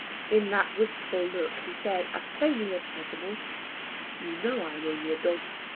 In that wistful look he said as plainly as possible "You know I am only a dog.